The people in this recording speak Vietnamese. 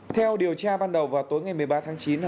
theo điều tra ban đầu vào tối ngày một mươi ba tháng chín